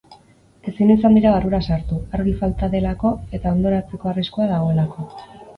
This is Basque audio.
Ezin izan dira barrura sartu, argi falta delako eta hondoratzeko arriskua dagoelako.